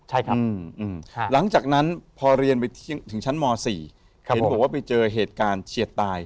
ใช่ครับหลังจากนั้นพอเรียนไปถึงชั้นม๔เห็นบอกว่าไปเจอเหตุการณ์เฉียดตาย